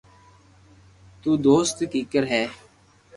تو دوست ڪيڪر ھي